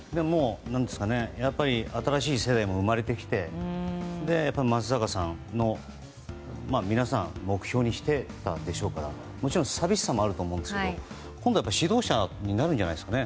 やっぱり新しい世代も生まれてきて松坂さんを皆さん目標にしていたんでしょうからもちろん寂しさもあると思いますが今度は指導者になるんじゃないんですかね。